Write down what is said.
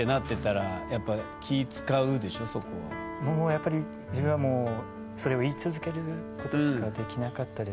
やっぱり自分はもうそれを言い続けることしかできなかったですね。